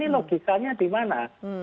bagikannya di mana